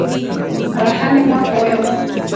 rahani mwako wewe